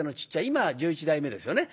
今は十一代目ですよね。